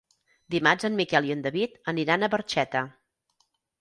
Dimarts en Miquel i en David aniran a Barxeta.